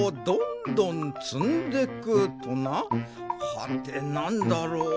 はてなんだろう。